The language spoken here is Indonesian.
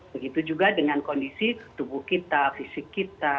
begitu juga dengan kondisi tubuh kita fisik kita